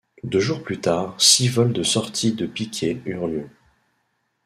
Deux jours plus tard, six vols de sortie de piqué eurent lieu.